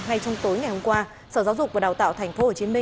ngay trong tối ngày hôm qua sở giáo dục và đào tạo tp hcm